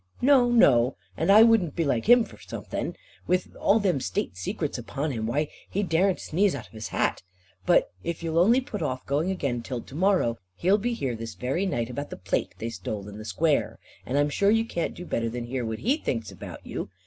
No, no. And I wouldn't be like him for something. With all them state secrets upon him. Why he daren't sneeze out of his hat. But if you'll only put off going again till to morrow, he'll be here this very night about the plate they stole in the Square. And I'm sure you can't do better than hear what he thinks about you.